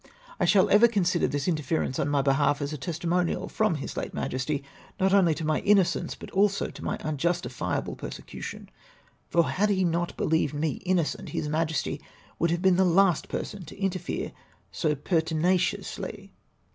I shall ever consider this inteference on my behalf as a testimonial from Ilis late Majesty not only to my imiocence, but also to my unjustifiable persecution, for had he not beheved me innocent, His Majesty would have been the last person to interfere so pertmaciously.